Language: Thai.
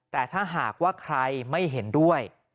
แต่ถ้าหากว่าใครไม่เห็นด้วย